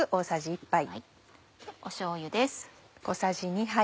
しょうゆです。